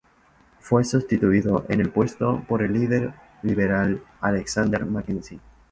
Fue sustituido en el puesto por el líder liberal Alexander Mackenzie.